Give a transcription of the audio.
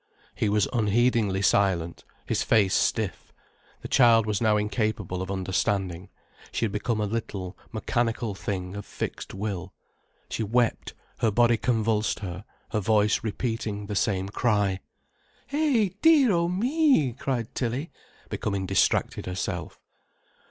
He was unheedingly silent, his face stiff. The child was now incapable of understanding, she had become a little, mechanical thing of fixed will. She wept, her body convulsed, her voice repeating the same cry. "Eh, dear o' me!" cried Tilly, becoming distracted herself.